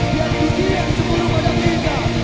biar diri yang cemburu pada kita